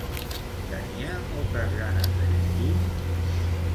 Tenia moltes ganes de llegir?